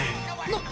なっ！